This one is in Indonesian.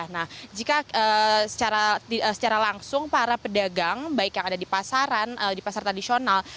nah jika secara langsung para pedagang baik yang ada di pasaran di pasar tradisional